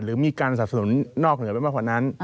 หรือมีการสนบันดาษไม่มากขวัน